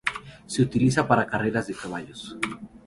Se utiliza para las carreras de caballos.